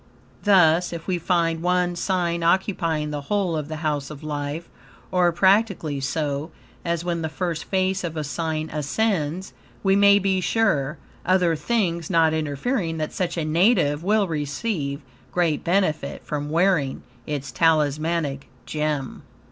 Thus, if we find one sign occupying the whole of the House of Life, or practically so, as when the first face of a sign ascends, we may be sure, other things not interfering, that such a native will receive great benefit from wearing its Talismanic gem.